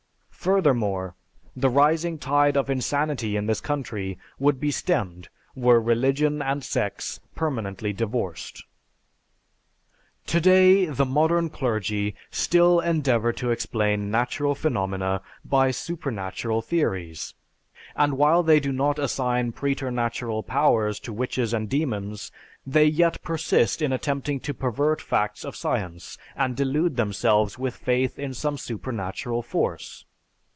Furthermore, the rising tide of insanity in this country would be stemmed were religion and sex permanently divorced. Today the modern clergy still endeavor to explain natural phenomena by supernatural theories, and while they do not assign preternatural powers to witches and demons, they yet persist in attempting to pervert facts of science, and delude themselves with faith in some supernatural force.